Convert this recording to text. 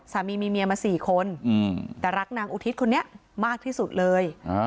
สามีมีเมียมา๔คนแต่รักนางอุทิศคนนี้มากที่สุดเลย